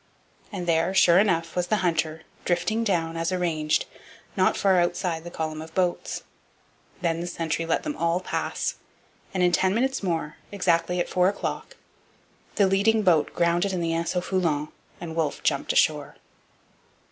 And there, sure enough, was the Hunter, drifting down, as arranged, not far outside the column of boats. Then the sentry let them all pass; and, in ten minutes more, exactly at four o'clock, the leading boat grounded in the Anse au Foulon and Wolfe jumped ashore.